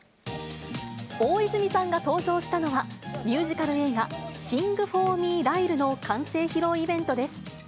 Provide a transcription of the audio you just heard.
大泉さんが登場したのは、ミュージカル映画、シング・フォー・ミー、ライルの完成披露イベントです。